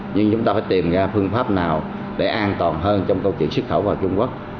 nhưng chúng ta phải tìm ra phương pháp nào để an toàn hơn trong câu chuyện xuất khẩu vào trung quốc